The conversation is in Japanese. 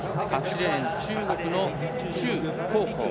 ８レーン、中国の衷黄浩。